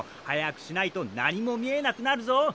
早くしないと何も見えなくなるぞ。